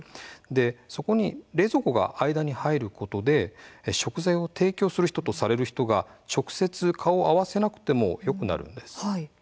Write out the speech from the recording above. そこに冷蔵庫が間に入ることで食材を提供する人と、される人が直接、顔を合わせなくてもよくなるんです。